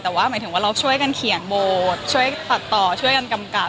แต่ว่าหมายถึงว่าเราช่วยกันเขียนโบสถ์ช่วยตัดต่อช่วยกันกำกับ